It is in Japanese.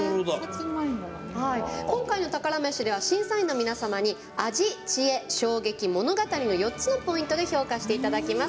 今回の「宝メシ」では審査員の皆様に味、知恵、衝撃、物語４つのポイントで評価していただきます。